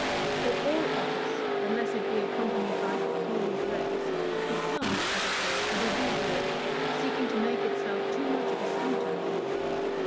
For all office, unless it be accompanied by peculiar grace, becomes, as it were, a diseased organ, seeking to make itself too much of a centre.